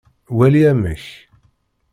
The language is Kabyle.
Wali amek.